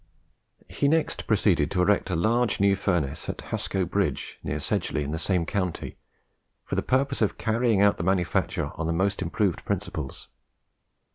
He next proceeded to erect a large new furnace at Hasco Bridge, near Sedgeley, in the same county, for the purpose of carrying out the manufacture on the most improved principles.